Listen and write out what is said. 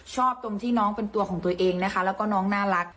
ตรงที่น้องเป็นตัวของตัวเองนะคะแล้วก็น้องน่ารัก